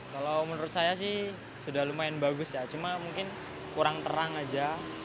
kalau menurut saya sih sudah lumayan bagus ya cuma mungkin kurang terang aja